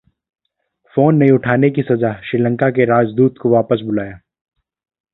phone नहीं उठाने की सजा, श्रीलंका ने राजदूत को वापस बुलाया